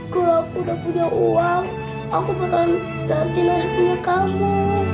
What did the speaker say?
kalau aku sudah punya uang aku akan ganti nasi punya kamu